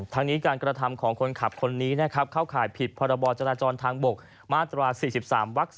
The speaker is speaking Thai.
ทางนี้การกระทำของคนขับคนนี้เข้าข่ายผิดพจทบมาตร๔๓ว๔